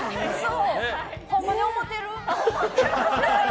ほんまに思ってる？